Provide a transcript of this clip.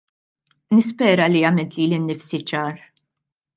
Nispera li għamilt lili nnifsi ċar.